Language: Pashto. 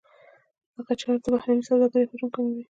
دغه چاره د بهرنۍ سوداګرۍ حجم کموي.